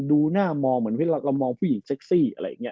ดูหน้ามองเหมือนเรามองผู้หญิงเซ็กซี่อะไรอย่างนี้